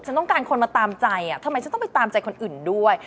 ต้องการคนมาตามใจทำไมฉันต้องไปตามใจคนอื่นด้วย